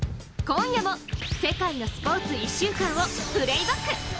今夜も世界のスポーツ１週間をプレーバック。